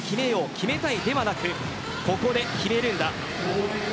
決めたいではなくここで決めるんだ。